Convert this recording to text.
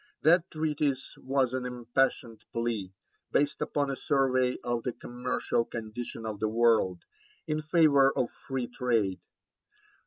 That treatise was an impassioned plea, based upon a survey of the commercial condition of the world, in favour of free trade.